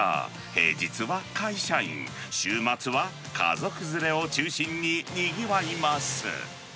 平日は会社員、週末は家族連れを中心ににぎわいます。